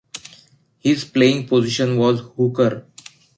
His playing position was hooker.